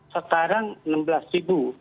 sekarang enam belas ribu